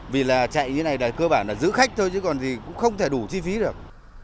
vì là chạy như thế này là cơ bản là giữ khách thôi chứ còn thì cũng không thể đủ chi phí được